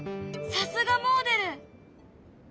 さすがもおでる！